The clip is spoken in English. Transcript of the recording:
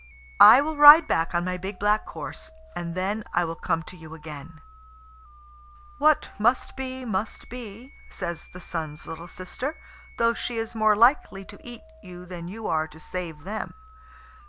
"I will ride back on my big black horse, and then I will come to you again." "What must be, must," says the Sun's little sister; "though she is more likely to eat you than you are to save them.